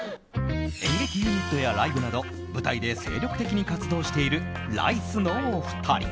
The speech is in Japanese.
演劇ユニットやライブなど舞台で精力的に活動しているライスのお二人。